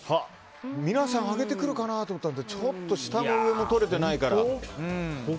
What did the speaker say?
皆さん、上げてくるかなと思ったのでちょっと下も上も取れていないから。